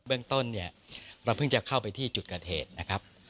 เรื่องต้นเนี่ยเราเพิ่งจะเข้าไปที่จุดเกิดเหตุนะครับ